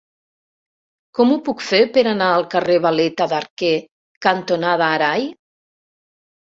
Com ho puc fer per anar al carrer Valeta d'Arquer cantonada Arai?